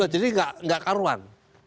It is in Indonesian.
jadi enggak karuan